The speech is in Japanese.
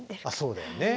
そうだよね。